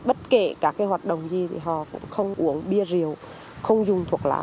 bất kể các hoạt động gì thì họ cũng không uống bia rượu không dùng thuốc lá